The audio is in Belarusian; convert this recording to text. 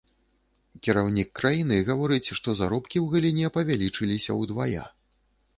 Кіраўнік краіны гаворыць, што заробкі ў галіне павялічыліся ўдвая.